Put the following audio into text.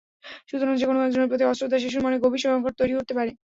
সুতরাং যেকোনো একজনের প্রতি অশ্রদ্ধা শিশুর মনে গভীর সংকট তৈরি করতে পারে।